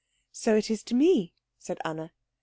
"So it is to me," said Anna.